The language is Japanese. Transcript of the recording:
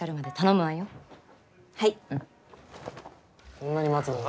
こんなに待つのか？